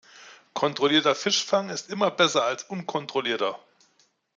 Kontrollierter Fischfang ist immer besser als unkontrollierter.